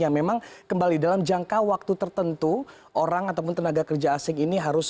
yang memang kembali dalam jangka waktu tertentu orang ataupun tenaga kerja asing ini harus